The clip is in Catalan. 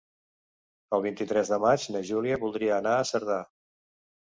El vint-i-tres de maig na Júlia voldria anar a Cerdà.